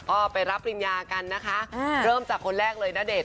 ก็ไปรับปริญญากันนะคะเริ่มจากคนแรกเลยณเดชน